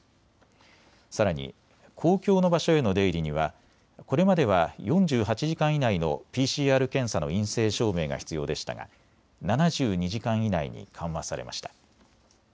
さらに公共の場所への出入りにはこれまでは４８時間以内のＰＣＲ検査の陰性証明が必要でしたが７２時間以内に緩和されました。